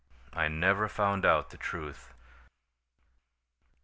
I never found out the truth."